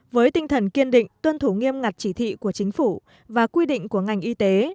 với tinh thần kiên định tuân thủ nghiêm ngặt chỉ thị của chính phủ và quy định của ngành y tế